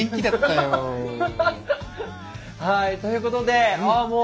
はいということでああ